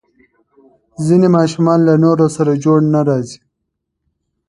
ځینې ماشومان له نورو سره جوړ نه راځي.